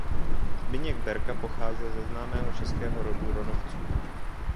Zbyněk Berka pocházel ze známého českého rodu Ronovců.